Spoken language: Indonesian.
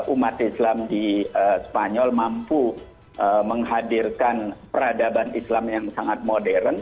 umat islam di spanyol mampu menghadirkan peradaban islam yang sangat modern